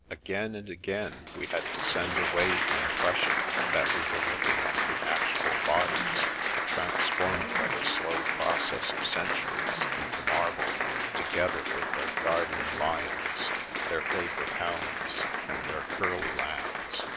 Again and again we had to send away the impression that we were looking at the actual bodies, transformed by the slow process of centuries into marble, together with their guardian lions, their favourite hounds, and their curly lambs.